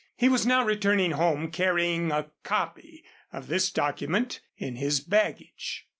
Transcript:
He was now returning home carrying a copy of this document in his baggage.